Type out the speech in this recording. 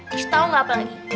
tuh tau gak apa lagi